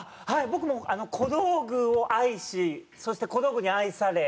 僕も小道具を愛しそして小道具に愛され。